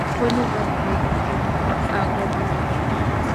Fue nombrado Reid en honor a Gordon Reid.